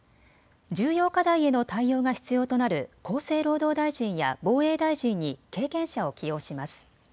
重要課題への対応が必要となる厚生労働大臣や防衛大臣に経験者を起用します。